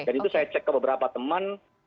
dan itu saya cek ke beberapa teman